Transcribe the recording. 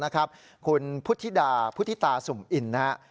คุณพุธิดาพุธิตาสุมอิ่น